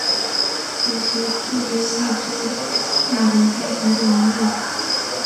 此时距离毅宗殉国方才两日。